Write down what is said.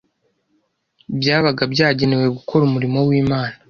byabaga byagenewe gukora umurimo w’Imana